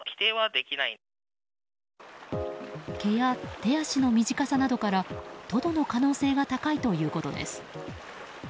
手足の短さなどからトドの可能性が高いということです。